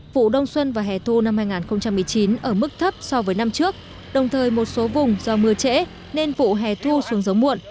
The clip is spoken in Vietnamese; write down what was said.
vụ đông xuân và hè thu năm hai nghìn một mươi chín ở mức thấp so với năm trước đồng thời một số vùng do mưa trễ nên vụ hè thu xuống giống muộn